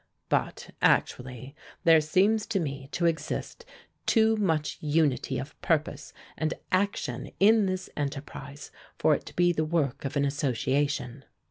But, actually, there seems to me to exist too much unity of purpose and action in this enterprise for it to be the work of an association.